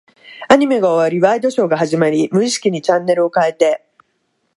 アニメが終わり、ワイドショーが始まり、無意識的にチャンネルを変えて、